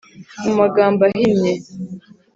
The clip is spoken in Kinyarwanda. Mu magambo ahinnye